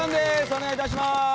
お願いいたします。